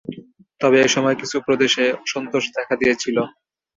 তবে এসময় কিছু প্রদেশে অসন্তোষ দেখা দিয়েছিল।